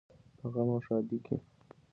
په غم او ښادۍ کې.